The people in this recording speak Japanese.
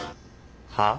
はっ？